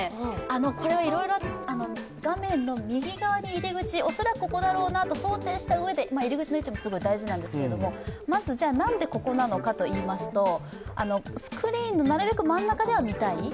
これは画面の右側に入り口恐らくここだろうなと想定したうえで、入り口は大事なんですが、まず、何でここなのかといいます、スクリーンのなるべく真ん中では見たい。